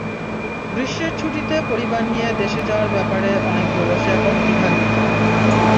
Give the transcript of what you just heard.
গ্রীষ্মের ছুটিতে পরিবার নিয়ে দেশে যাওয়ার ব্যাপারে অনেক প্রবাসী এখন দ্বিধান্বিত।